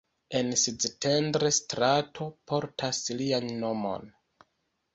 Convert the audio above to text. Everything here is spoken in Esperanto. En Szentendre strato portas lian nomon.